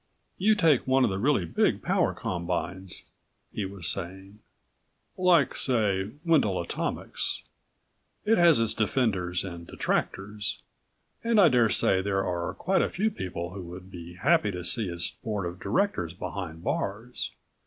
"You take one of the really big power combines," he was saying. "Like, say, Wendel Atomics. It has its defenders and detractors, and I daresay there are quite a few people who would be happy to see its Board of Directors behind bars.